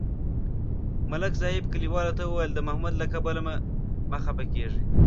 ملک صاحب کلیوالو ته ویل: د محمود له کبله مه خپه کېږئ.